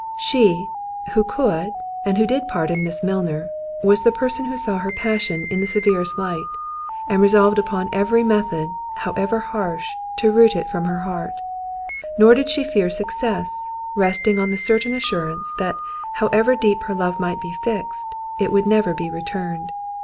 She, who could, and who did pardon Miss Milner, was the person who saw her passion in the severest light, and resolved upon every method, however harsh, to root it from her heart—nor did she fear success, resting on the certain assurance, that however deep her love might be fixed, it would never be returned.